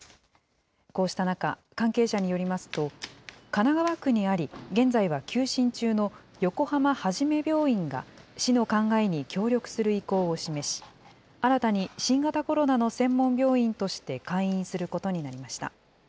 こうした中、関係者によりますと、神奈川区にあり、現在は休診中の横浜はじめ病院が、市の考えに協力する意向を示し、新たに新型コロナの専門病院として開院することになりました。